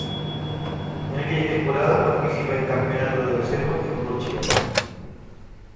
En aquella temporada participa en el Campeonato de Reserva Fútbol Chileno.